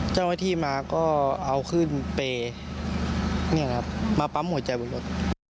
เจ้าหน้าที่มาก็เอาขึ้นเปรย์มาปั๊มหัวใจบนรถ